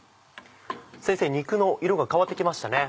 先生肉の色が変わって来ましたね。